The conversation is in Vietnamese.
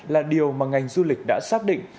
là điều mà ngành du lịch đã xác định